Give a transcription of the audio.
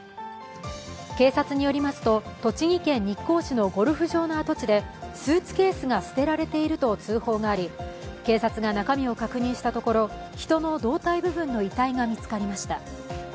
警察によりますと、栃木県日光市のゴルフ場の跡地でスーツケースが捨てられていると通報があり警察が中身を確認したところ、人の胴体部分の遺体が見つかりました。